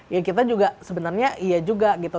ya kita juga sebenarnya iya juga gitu